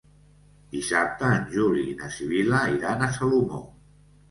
Dissabte en Juli i na Sibil·la iran a Salomó.